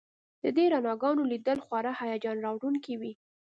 د دې رڼاګانو لیدل خورا هیجان راوړونکي وي